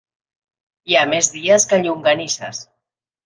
Hi ha més dies que llonganisses.